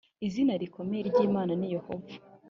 izina rikomeye ry’imana ni yehova